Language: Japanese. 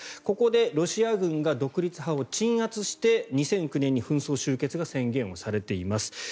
ここでロシア軍が独立派を鎮圧して２００９年に紛争終結が宣言されています。